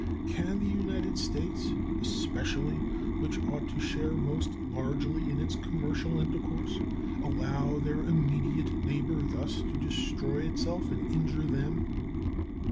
Can the United States especially, which ought to share most largely in its commercial intercourse, allow their immediate neighbor thus to destroy itself and injure them?